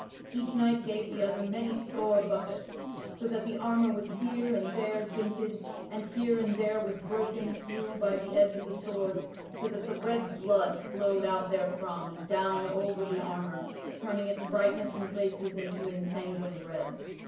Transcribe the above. Each knight gave the other many sore buffets so that the armor was here and there dinted and here and there was broken through by the edge of the sword so that the red blood flowed out therefrom and down over the armor, turning its brightness in places into an ensanguined red.